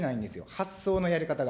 発想のやり方が。